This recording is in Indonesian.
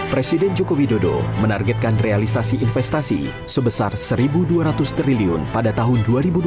presiden joko widodo menargetkan realisasi investasi sebesar rp satu dua ratus triliun pada tahun dua ribu dua puluh